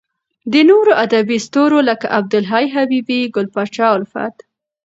د نورو ادبې ستورو لکه عبد الحی حبیبي، ګل پاچا الفت .